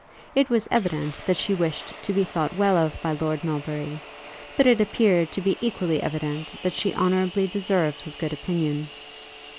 It was evident that she wished to be thought well of by Lord Melbury; but it appeared to be equally evident that she honourably deserved his good opinion.